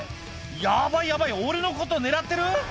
「ヤバいヤバい俺のこと狙ってる？」